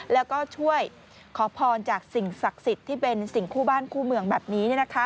แล้วก็ช่วยขอพรจากสิ่งศักดิ์สิทธิ์ที่เป็นสิ่งคู่บ้านคู่เมืองแบบนี้